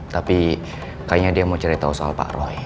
tapi kayaknya dia mau cerita soal pak roy